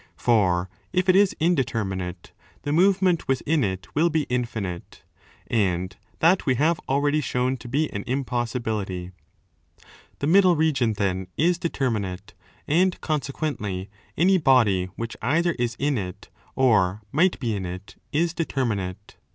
For, if it is indeter minate, the movement within it will be infinite?; and that we have already shown to be an impossibility.2 The middle region then is determinate, and consequently any body which either is in it, or might be in it, is determinate.